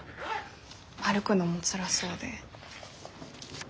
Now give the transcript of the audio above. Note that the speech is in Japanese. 歩くのもつらそうで。